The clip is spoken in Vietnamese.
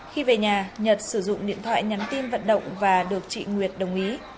khi về nhà nhật sử dụng điện thoại nhắn tin vận động và được chị nguyệt đồng ý